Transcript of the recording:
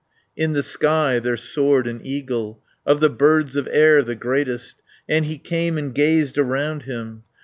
In the sky there soared an eagle, Of the birds of air the greatest, And he came and gazed around him.